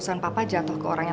sudah saya ke dragons